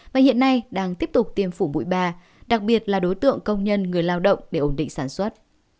và hiện nay đang tiếp tục tiêm phủ bụi ba đặc biệt là đối tượng công nhân người lao động để ổn định sản xuất